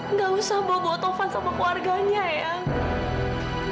nggak usah bawa bawa tufan sama keluarganya ayang